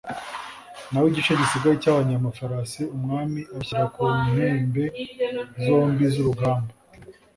naho igice gisigaye cy'abanyamafarasi, umwami abashyira ku mpembe zombi z'urugamba